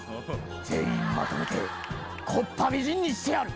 全員まとめて木っ端みじんにしてやる。